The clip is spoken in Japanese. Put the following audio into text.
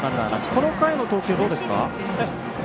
この回の投球、どうですか？